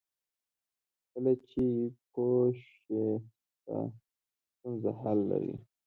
کله چې پوه شې ستا ستونزه حل لري.